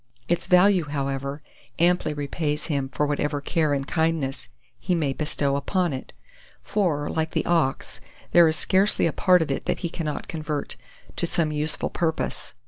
Its value, however, amply repays him for whatever care and kindness he may bestow upon it; for, like the ox, there is scarcely a part of it that he cannot convert to some useful purpose.